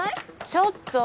ちょっと！